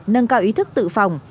nâng cao ý thức tự phòng